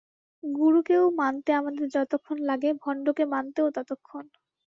গুরুকেও মানতে আমাদের যতক্ষণ লাগে, ভণ্ডকে মানতেও ততক্ষণ।